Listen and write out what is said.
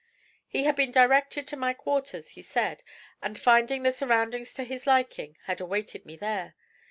He had been directed to my quarters, he said, and finding the surroundings to his liking, had awaited me there.